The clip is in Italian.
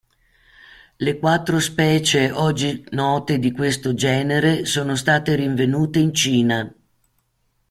Le quattro specie oggi note di questo genere sono state rinvenute in Cina.